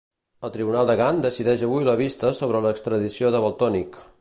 El tribunal de Gant decideix avui la vista sobre l'extradició de Valtònyc.